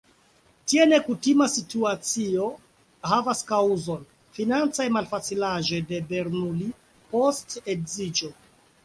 Tia nekutima situo havas kaŭzon: financaj malfacilaĵoj de Bernoulli post edziĝo.